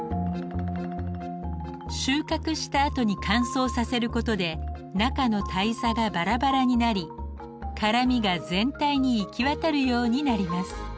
収穫したあとに乾燥させることで中の胎座がバラバラになり辛みが全体に行き渡るようになります。